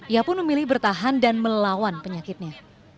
ia pun memilih bertahan dan melawan penyakitnya